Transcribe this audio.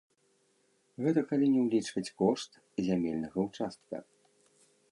Гэта калі не ўлічваць кошт зямельнага ўчастка.